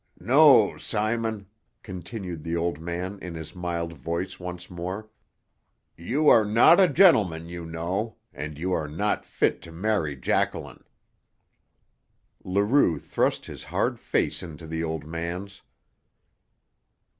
"No, Simon," continued the old man in his mild voice once more. "You are not a gentleman you know, and you are not fit to marry Jacqueline." Leroux thrust his hard face into the old man's.